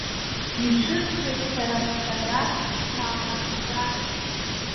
Ишәысҭоит сара ҿҳәарас сааҭбжак!